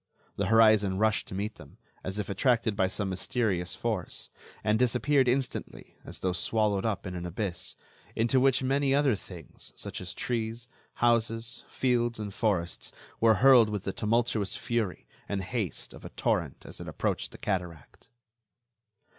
The horizon rushed to meet them, as if attracted by some mysterious force, and disappeared instantly as though swallowed up in an abyss, into which many other things, such as trees, houses, fields and forests, were hurled with the tumultuous fury and haste of a torrent as it approached the cataract.